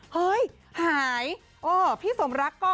หายพี่สมรักษ์ก็